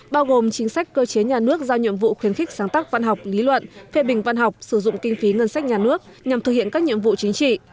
bao gồm chính sách cơ chế nhà nước giao nhiệm vụ khuyến khích sáng tác văn học lý luận phê bình văn học sử dụng kinh phí ngân sách nhà nước nhằm thực hiện các nhiệm vụ chính trị